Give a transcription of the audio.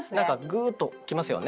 グーッと来ますよね。